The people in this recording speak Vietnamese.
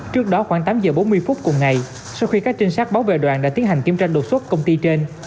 trước đó khoảng tám giờ bốn mươi phút cùng ngày sau khi các trinh sát báo về đoàn đã tiến hành kiểm tra đột xuất công ty trên